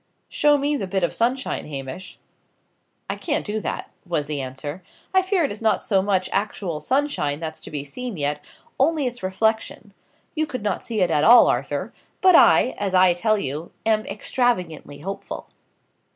"Show me the bit of sunshine, Hamish." "I can't do that," was the answer. "I fear it is not so much actual sunshine that's to be seen yet only its reflection. You could not see it at all, Arthur; but I, as I tell you, am extravagantly hopeful."